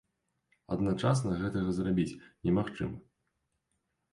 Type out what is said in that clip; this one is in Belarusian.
Адначасна гэтага зрабіць немагчыма.